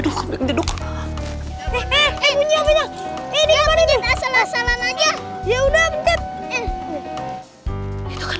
ya udah bentar